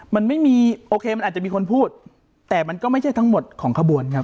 มันอาจจะมีคนพูดแต่มันไม่ใช่ทั้งหมดของขบวน